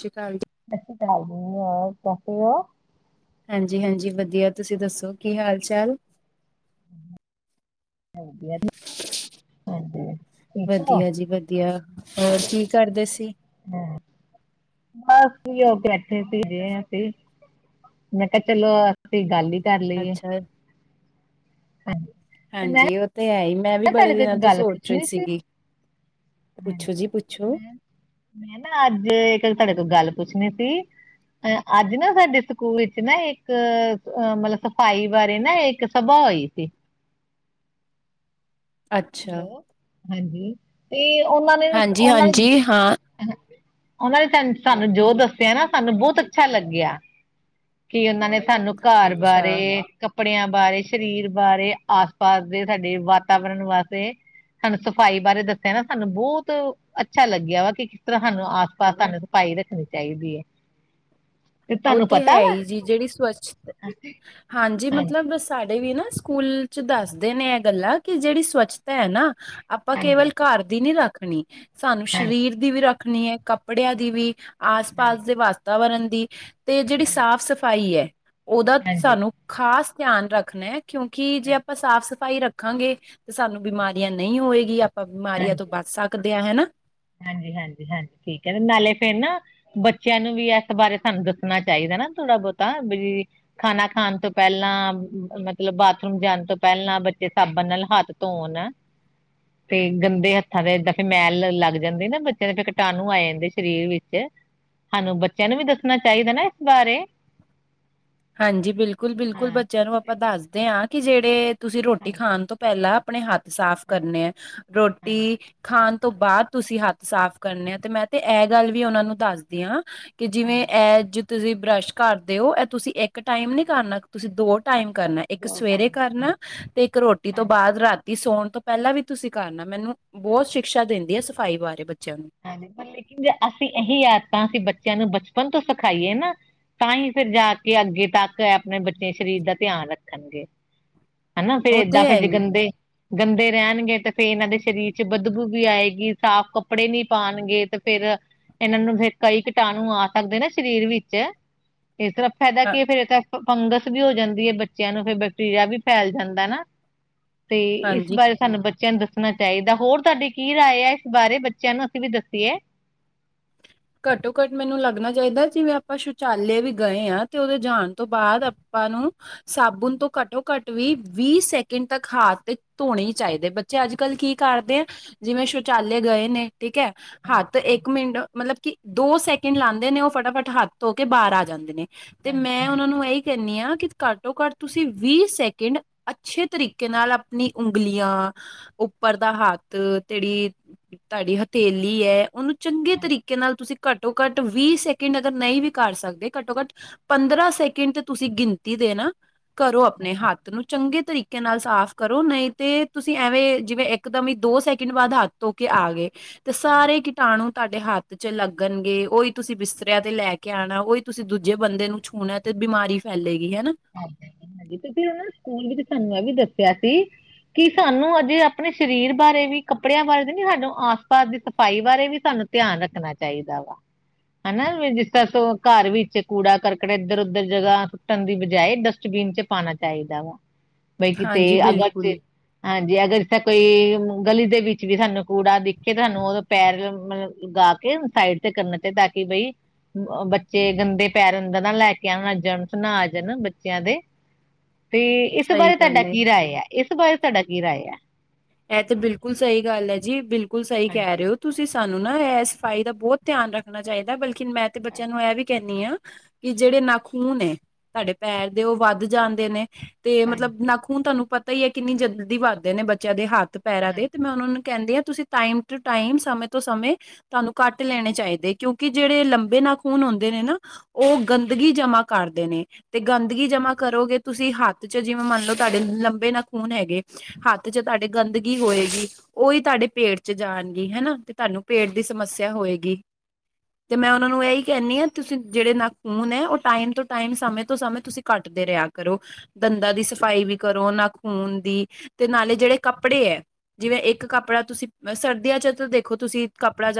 ਸਤ ਸ੍ਰੀ ਅਕਾਲ ਜੀ। ਇਥੇ ਚਲਾਈ ਦੀ ਮੈ ਚੱਕ ਲਿਆ। ਹਾਂਜੀ- ਹਾਂਜੀ ਵਧੀਆ ਤੁਸੀਂ ਦੱਸੋ ਕੀ ਹਾਲ- ਚਾਲ? ਵਧੀਆ ਜੀ ਹਾਂਜੀ ਠੀਕ ਹੋ? ਵਧੀਆ ਜੀ ਵਧੀਆ। ਵਧੀਆ ਹੋਰ ਕੀ ਕਰਦੇ ਸੀ? ਹੂੰ ਬਸ ਵੀ ਉਹ ਬੈਠੇ ਸੀ ਹਜੇ ਤੇ ਅਸੀਂ। ਮੈਂ ਕਿਹਾ ਚਲੋ ਅਸੀਂ ਗੱਲ ਹੀ ਕਰ ਲਈਏ। ਅੱਛਾ ਹਾਂਜੀ। ਤੇ ਮੈਂ ਹਾਂਜੀ ਉਹ ਤੇ ਹੈ ਹੀ। ਮੈਂ ਵੀ ਨਾ ਬੜੇ ਤੁਹਾਡੇ ਇੱਕ ਦਿਨਾਂ ਤੋਂ ਗੱਲ ਸੋਚ ਰਹੀ ਪੁੱਛਣੀ ਸੀ ਸੀਗੀ, ਪੁੱਛੋ ਜੀ ਪੁੱਛੋ। ਮੈਂ ਮੈਂ ਨਾ ਅੱਜ ਇੱਕ ਤੁਹਾਡੇ ਕੋਲ ਗੱਲ ਪੁੱਛਣੀ ਸੀ। ਅ ਅੱਜ ਨਾ ਸਾਡੇ ਸਕੂਲ ਵਿੱਚ ਨਾ ਇੱਕ ਅ ਮਤਲਬ ਸਫਾਈ ਬਾਰੇ ਨਾ ਇੱਕ ਇੱਕ ਸਭਾ ਹੋਈ ਸੀ। ਅੱਛਾ ਹੈਲੋ ਹਾਂਜੀ, ਤੇ ਉਹਨਾਂ ਨੇ ਹਾਂਜੀ ਉਹਨਾਂ ਹਾਂਜੀ ਹਾਂ ਉਹਨਾਂ ਨੇ ਸਾਨੂੰ ਜੋ ਦੱਸਿਆ ਨਾ, ਸਾਨੂੰ ਬਹੁਤ ਅੱਛਾ ਲੱਗਿਆ। ਕਿ ਉਹਨਾਂ ਨੇ ਸਾਨੂੰ ਘਰ ਅੱਛਾ ਬਾਰੇ, ਕੱਪੜਿਆਂ ਬਾਰੇ, ਸਰੀਰ ਬਾਰੇ, ਆਸ- ਪਾਸ ਦੇ ਸਾਡੇ ਵਾਤਾਵਰਨ ਵਾਤੇ। ਸਾਨੂੰ ਸਫ਼ਾਈ ਬਾਰੇ ਦੱਸਿਆ ਨਾ ਸਾਨੂੰ ਬਹੁਤ ਅੱਛਾ ਲੱਗਿਆ ਵਾ ਕਿ ਕਿਸ ਤਰਾਂ ਸਾਨੂੰ ਆਸ- ਪਾਸ ਸਾਨੂੰ ਸਫਾਈ ਰੱਖਣੀ ਚਾਹੀਦੀ ਹੈ। ਉਹ ਤੁਹਾਨੂੰ ਤੇ ਪਤਾ ਹੈ ਵਾ ਹੀ ਜੀ, ਜਿਹੜੀ ਸਵੱ ਹਾਂਜੀ ਹਾਂਜੀ ਮਤਲਬ ਸਾਡੇ ਵੀ ਨਾ ਸਕੂਲ ਚ ਦੱਸਦੇ ਨੇ ਇਹ ਗੱਲਾਂ ਕਿ ਜਿਹੜੀ ਸਵੱਛਤਾ ਹੈ ਨਾ। ਆਪਾਂ ਹਾਂਜੀ ਕੇਵਲ ਘਰ ਦੀ ਨੀ ਰੱਖਣੀ, ਸਾਨੂੰ ਹਾਂਜੀ ਸਰੀਰ ਦੀ ਵੀ ਰੱਖਣੀ ਹੈ, ਕੱਪੜਿਆਂ ਦੀ ਵੀ। ਆਸ ਪਾਸ ਹਾਂਜੀ ਦੇ ਵਾਤਾਵਰਨ ਦੀ ਤੇ ਜਿਹੜੀ ਹਾਂਜੀ ਸਾਫ਼ ਸਫ਼ਾਈ ਹੈ, ਉਹਦਾ ਹਾਂਜੀ ਸਾਨੂੰ ਖ਼ਾਸ ਧਿਆਨ ਰੱਖਣਾ ਹੈ, ਕਿਉਂਕਿ ਜੇ ਆਪਾਂ ਸਾਫ਼ ਸਫ਼ਾਈ ਰੱਖਾਂਗੇ ਤੇ ਸਾਨੂੰ ਬਿਮਾਰੀਆਂ ਨਹੀਂ ਹੋਏਗੀ, ਆਪਾਂ ਬਿਮਾਰੀਆਂ ਹਾਂਜੀ। ਤੋਂ ਬਚ ਸਕਦੇ ਹਾਂ, ਹਨਾ। ਹਾਂਜੀ- ਹਾਂਜੀ, ਹਾਂਜੀ ਠੀਕ ਹੈ ਤੇ, ਨਾਲੇ ਫੇਰ ਨਾ। ਬੱਚਿਆਂ ਨੂੰ ਵੀ ਇਸ ਬਾਰੇ ਸਾਨੂੰ ਦੱਸਣਾ ਚਾਹੀਦਾ ਨਾ ਥੋੜਾ ਬਹੁਤਾ ਵੀ, ਖਾਣਾ ਖਾਣ ਤੋਂ ਪਹਿਲਾਂ, ਮਤਲਬ ਬਾਥਰੂਮ ਜਾਣ ਤੋਂ ਪਹਿਲਾਂ ਬੱਚੇ ਸਾਬਣ ਨਾਲ ਹੱਥ ਧੋਣ। ਤੇ ਗੰਦੇ ਹੱਥਾਂ ਦਾ ਏਦਾਂ ਫ ਮੈਲ ਲੱਗ ਜਾਂਦੀ ਨਾ ਬੱਚਿਆਂ ਦੇ ਫੇਰ ਕੀਟਾਣੂ ਆ ਜਾਂਦੇ ਸਰੀਰ ਵਿੱਚ। ਸਾਨੂੰ ਬੱਚਿਆਂ ਨੂੰ ਵੀ ਦੱਸਣਾ ਚਾਹੀਦਾ ਨਾ, ਇਸ ਬਾਰੇ। ਹਾਂਜੀ ਬਿਲਕੁਲ- ਹਾਂ ਬਿਲਕੁਲ ਬੱਚਿਆਂ ਨੂੰ ਆਪਾਂ ਦੱਸਦੇ ਹਾਂ ਕਿ ਜਿਹੜੇ ਤੁਸੀਂ ਰੋਟੀ ਹਾਂਜੀ ਖਾਣ ਤੋਂ ਪਹਿਲਾਂ, ਆਪਣੇ ਹੱਥ ਸਾਫ਼ ਹਾਂਜੀ ਕਰਨੇ ਹੈ, ਰੋਟੀ ਹਾਂਜੀ ਖਾਣ ਤੋਂ ਬਾਅਦ ਤੁਸੀਂ ਹੱਥ ਸਾਫ਼ ਕਰਨੇ ਆ, ਤੇ ਮੈਂ ਤੇ ਇਹ ਗੱਲ ਵੀ ਉਹਨਾਂ ਨੂੰ ਦੱਸਦੀ ਹਾ। ਕਿ ਜਿਵੇਂ ਹਾਂਜੀ ਇਹ ਜੇ ਤੁਸੀਂ ਬਰੱਸ਼ ਕਰਦੇ ਹੋ ਇਹ ਤੁਸੀਂ ਇੱਕ ਟਾਈਮ ਨਹੀਂ ਕਰਨਾ, ਤੁਸੀਂ ਦੋ ਟਾਈਮ ਕਰਨਾ ਇੱਕ ਦੋ ਸਵੇਰੇ ਟਾਈਮ ਹਾਂ ਕਰਨਾ, ਅਤੇ ਇੱਕ ਰੋਟੀ ਤੋਂ ਹਾਂਜੀ ਬਾਅਦ ਰਾਤ ਤੀ ਸੌਣ ਤੋਂ ਪਹਿਲਾਂ ਵੀ ਤੁਸੀਂ ਕਰਨਾ, ਮੈਨੂੰ ਬਹੁਤ ਸ਼ਿਕਸ਼ਾ ਦਿੰਦੀ ਆ ਸਫ਼ਾਈ ਬਾਰੇ ਬੱਚਿਆਂ ਨੂੰ। ਹਾਂਜੀ ਲੇਕਿਨ ਜੇ ਅਸੀਂ ਇਹੀ ਆਦਤਾਂ ਅਸੀਂ ਬੱਚਿਆਂ ਨੂੰ ਬਚਪਨ ਤੋਂ ਸਿਖਾਈਏ ਨਾ ਤਾਂ ਹੀ ਫੇਰ ਜਾ ਕੇ ਅੱਗੇ ਤੱਕ ਆਪਣੇ ਬੱਚੇ ਸਰੀਰ ਦਾ ਧਿਆਨ ਰੱਖਣਗੇ। ਹਨਾ ਫੇਰ ਉਹ ਏਦਾਂ ਤੇ ਫੇ ਹੈ ਜੇ ਹੀ ਗੰਦੇ। ਗੰਦੇ ਰਹਿਣਗੇ ਤੇ ਫੇਰ ਇਹਨਾਂ ਦੇ ਸਰੀਰ ਚ ਬਦਬੂ ਵੀ ਆਏਗੀ, ਸਾਫ਼ ਕੱਪੜੇ ਨੀ ਪਾਉਣਗੇ ਤੇ ਫੇਰ ਇਹਨਾਂ ਨੂੰ, ਫੇ ਕਈ ਕੀਟਾਣੂ ਆ ਸਕਦੇ ਨਾ ਸਰੀਰ ਵਿੱਚ। ਇਸ ਤਰਾਂ। ਫਾਇਦਾ ਹਾਂ ਕੀ ਫੇਰ ਤਾਂ ਫੰਗਸ ਵੀ ਹੋ ਜਾਂਦੀ ਹੈ ਬੱਚਿਆਂ ਨੂੰ ਫਿਰ ਬੈਕਟੀਰੀਆ ਵੀ ਫੈਲ ਜਾਂਦਾ ਨਾ। ਤੇ ਇਸ ਹਾਂਜੀ ਬਾਰੇ ਸਾਨੂੰ ਬੱਚਿਆਂ ਨੂੰ ਦੱਸਣਾ ਚਾਹੀਦਾ ਹੋਰ ਤੁਹਾਡੀ ਕੀ ਰਾਏ ਆ ਇਸ ਬਾਰੇ ਬੱਚਿਆਂ ਨੂੰ ਵੀ ਦੱਸੀਏ ਘੱਟੋ ਘੱਟ ਮੈਨੂੰ ਲੱਗਣਾ ਚਾਹੀਦਾ ਜਿਵੇਂ ਆਪਾਂ ਸ਼ੌਚਾਲੇ ਵੀ ਗਏ ਹਾਂ ਤੇ ਉਹਦੇ ਜਾਣ ਤੋਂ ਬਾਅਦ ਆਪਾਂ ਨੂੰ ਸਾਬੁਣ ਤੋਂ ਘੱਟੋ ਘੱਟ ਵੀ ਵੀਹ ਸੈਕਿੰਡ ਤੱਕ ਹਾਥ ਤੇ ਧੋਣੇ ਚਾਹੀਦੇ ਬੱਚੇ ਅੱਜ ਕੱਲ੍ਹ ਕੀ ਕਰਦੇ ਆ। ਜਿਵੇਂ ਸ਼ੌਚਾਲੇ ਗਏ ਨੇ ਠੀਕ ਹੈ ਹਾਂ ਤੇ ਇੱਕ ਮਿੰਟ ਮਤਲਬ ਕਿ ਦੋ ਸੈਕਿੰਡ ਲਾਉਂਦੇ ਨੇ ਉਹ ਫਟਾਫਟ ਹੱਥ ਧੋ ਕੇ ਬਾਹਰ ਆ ਜਾਂਦੇ ਨੇ ਤੇ ਹਾਂਜੀ ਮੈਂ ਹਾਂ ਉਹਨਾਂ ਨੂੰ ਇਹੀ ਕਹਿੰਦੀ ਆ ਕਿ ਘੱਟੋ ਘੱਟ ਤੁਸੀਂ ਵੀਹ ਸੈਕਿੰਡ ਅੱਛੇ ਤਰੀਕੇ ਨਾਲ ਆਪਣੀ ਉਂਗਲੀਆਂ ਉੱਪਰ ਦਾ ਹੱਥ ਤੇੜੀ ਤੁਹਾਡੀ ਹਥੇਲੀ ਹੈ ਉਹਨੂੰ ਚੰਗੇ ਤਰੀਕੇ ਨਾਲ ਤੁਸੀਂ ਘੱਟੋ ਘੱਟ ਵੀਹ ਸੈਕਿੰਡ ਅਗਰ ਨਹੀਂ ਵੀ ਕਰ ਸਕਦੇ ਘੱਟੋ ਘੱਟ ਪੰਦਰਾਂ ਸੈਕਿੰਡ ਤੇ ਤੁਸੀਂ ਗਿਣਤੀ ਦੇ ਨਾ ਕਰੋ ਆਪਣੇ ਹੱਥ ਨੂੰ ਚੰਗੇ ਤਰੀਕੇ ਨਾਲ ਸਾਫ਼ ਕਰੋ ਨਹੀਂ ਤੇ ਤੁਸੀਂ ਐਵੇਂ ਜਿਵੇਂ ਇੱਕਦਮ ਹੀ ਦੋ ਸੈਕਿੰਡ ਬਾਅਦ ਹੱਥ ਧੋ ਕੇ ਆ ਗਏ। ਤੇ ਸਾਰੇ ਕੀਟਾਣੂ ਤੁਹਾਡੇ ਹੱਥ ਚ ਲੱਗਣਗੇ ਉਹੀ ਤੁਸੀਂ ਬਿਸਤਰਿਆਂ ਤੇ ਲੈ ਕੇ ਆਉਣਾ ਉਹੀ ਤੁਸੀਂ ਦੂਜੇ ਬੰਦੇ ਨੂੰ ਛੂਣਾ। ਤੇ ਬਿਮਾਰੀ ਫੈਲੇਗੀ ਹਨਾ। ਹ ਹਾਂਜੀ ਤੁਸੀਂ ਉਹ ਸਕੂਲ ਵਿੱਚ ਸਾਨੂੰ ਇਹ ਵੀ ਦੱਸਿਆ ਸੀ। ਕੀ ਸਾਨੂੰ ਅਜੇ ਆਪਣੇ ਸਰੀਰ ਬਾਰੇ ਵੀ ਕੱਪੜਿਆਂ ਬਾਰੇ ਨੀ ਸਾਨੂੰ ਆਸ ਪਾਸ ਦੀ ਸਫ਼ਾਈ ਬਾਰੇ ਵੀ ਸਾਨੂੰ ਧਿਆਨ ਰੱਖਣਾ ਚਾਹੀਦਾ ਵਾ। ਹਨਾ ਵੀ ਜਿਸ ਤਰ੍ਹਾਂ ਘਰ ਵੀ ਕੂੜਾ ਕਰਕਟ ਇੱਧਰ ਉੱਧਰ ਜਗ੍ਹਾ ਸੁੱਟਣ ਦੀ ਜਾਏ ਡਸਟਬੀਨ ਚ ਪਾਉਣਾ ਚਾਹੀਦਾ ਵਾ ਬਈ ਕਿਤੇ ਹਾਂਜੀ ਅਗਰ ਜ ਬਿਲਕੁਲ ਹਾਂਜੀ ਅਗਰ ਕੋਈ ਗਲੀ ਦੇ ਵਿੱਚ ਵੀ ਸਾਨੂੰ ਕੂੜਾ ਦਿਖੇ ਤਾਂ ਸਾਨੂੰ ਉਹ ਪੈਰ ਮਤਲਬ ਲਗਾ ਕੇ ਸਾਈਡ ਤੇ ਕਰਨ ਤੇ ਤਾਂ ਕਿ ਬਈ ਬੱਚੇ ਗੰਦੇ ਪੈਰ ਅੰਦਰ ਨਾ ਲੈ ਕੇ ਆਉਣ ਜਰਮਸ ਨਾ ਆ ਜ ਬੱਚਿਆਂ ਦੇ ਤੇ ਇਸ ਸਹੀ ਬਾਰੇ! ਤੁਹਾਡਾ ਗੱਲ ਹੈ ਕੀ ਰਾਏ ਆ ਇਸ ਬਾਰੇ ਤੁਹਾਡਾ ਕੀ ਰਾਏ ਆ। ਇਹ ਤੇ ਬਿਲਕੁਲ ਸਹੀ ਗੱਲ ਹੈ ਜੀ ਬਿਲਕੁਲ ਸਹੀ ਕਹਿ ਹਾਂਜੀ ਰਹੇ ਹੋ ਤੁਸੀਂ ਸਾਨੂੰ। ਸਾਨੂੰ ਨਾ ਇਹ ਸਫਾਈ ਦਾ ਬਹੁਤ ਧਿਆਨ ਰੱਖਣਾ ਚਾਹੀਦਾ ਬਲਕਿ ਮੈਂ ਤੇ ਬੱਚਿਆਂ ਨੂੰ ਹਾਂਜੀ ਇਹ ਵੀ ਕਹਿੰਦੀ ਹਾਂ। ਕਿ ਜਿਹੜੇ ਨਾਖੂਨ ਏ ਸਾਡੇ ਪੈਰ ਦੇ ਉਹ ਵੱਧ ਜਾਂਦੇ ਨੇ। ਤੇ ਮਤਲਬ ਹਾਂਜੀ ਨਾ ਖੂਨ ਤੁਹਾਨੂੰ ਪਤਾ ਹੀ ਹੈ ਕਿੰਨੀ ਜਲਦੀ ਵੱਧਦੇ ਨੇ ਬੱਚਿਆਂ ਦੇ ਹੱਥ ਪੈਰਾਂ ਹਾਂਜੀ ਦੇ ਤੇ ਮੈਂ ਉਹਨਾਂ ਨੂੰ ਕਹਿੰਦੇ ਆ ਤੁਸੀਂ ਟਾਈਮ ਟੂ ਟਾਈਮ ਸਮੇਂ ਤੋਂ ਸਮੇਂ ਤੁਹਾਨੂੰ ਘੱਟ ਲੈਣੇ ਚਾਹੀਦੇ ਕਿਉਂਕਿ ਜਿਹੜੇ ਲੰਬੇ ਨਾਖੂਨ ਹੁੰਦੇ ਨੇ ਨਾ। ਉਹ ਗੰਦਗੀ ਜਮ੍ਹਾਂ ਕਰਦੇ ਨੇ। ਤੇ ਗੰਦਗੀ ਜਮਾ ਕਰੋਗੇ ਤੁਸੀਂ ਹੱਥ ਚ ਜਿਵੇਂ ਮੰਨ ਲਓ ਤੁਹਾਡੇ ਲੰਬੇ ਨਾ ਖੂਨ ਹੈਗੇ ਹੱਥ ਤੇ ਚ ਤੁਹਾਡੇ ਗੰਦਗੀ ਹੋਏਗੀ ਉਹੀ ਤੁਹਾਡੇ ਪੇਟ ਚ ਜਾਣਗੀ ਹਨਾ ਤੇ ਤੁਹਾਨੂੰ ਪੇਟ ਦੀ ਸਮੱਸਿਆ ਹੋਏਗੀ। ਤੇ ਮੈਂ ਉਹਨਾਂ ਨੂੰ ਇਹੀ ਕਹਿੰਦੀ ਹਾਂ ਤੁਸੀਂ ਜਿਹੜੇ ਨਾਖੂਨ ਹੈ ਉਹ ਟਾਈਮ ਤੋਂ ਟਾਈਮ ਸਮੇਂ ਤੋਂ ਸਮੇਂ ਤੁਸੀਂ ਘੱਟਦੇ ਰਿਹਾ ਕਰੋ ਦੰਦਾਂ ਦੀ ਸਫ਼ਾਈ ਵੀ ਕਰੋ ਨਾ ਖੂਨ ਦੀ। ਤੇ ਨਾਲੇ ਜਿਹੜੇ ਕੱਪੜੇ ਹੈ ਜਿਵੇਂ ਇੱਕ ਕੱਪੜਾ ਤੁਸੀਂ ਸਰਦੀਆਂ ਚ ਤਾਂ ਦੇਖੋ ਤੁਸੀਂ ਕੱਪੜਾ